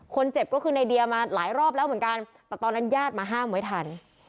คนเจ็บก็คือในเดียมาหลายรอบแล้วเหมือนกันแต่ตอนนั้นญาติมาห้ามไว้ทัน